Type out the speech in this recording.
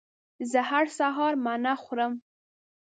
زه هر سهار مڼه خورم